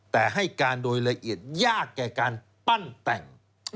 แต่ให้การโดยละเอียดยากแก่การปั้นแต่ง